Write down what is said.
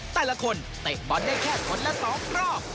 แต่ละคนเตะบอลได้แค่คนละ๒รอบ